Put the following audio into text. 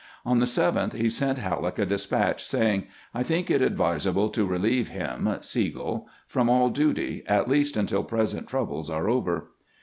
On the 7th he sent HaUeck a despatch, saying :" I think it ad visable to relieve him [Sigel] from all duty, at least until present troubles are over."